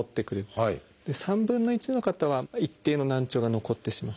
３分の１の方は一定の難聴が残ってしまう。